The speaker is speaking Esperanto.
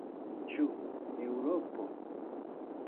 Ĉu Eŭropo?